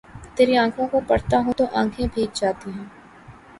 تری آنکھوں کو پڑھتا ہوں تو آنکھیں بھیگ جاتی ہی